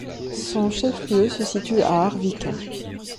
Son chef-lieu se situe à Arvika.